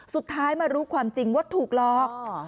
สุดท้ายมารู้ความจริงว่าถูกหลอก